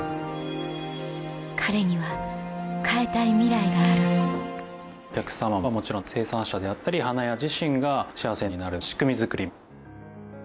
彼には変えたいミライがあるお客様はもちろん生産者であったり花屋自身が幸せになる仕組みづくり。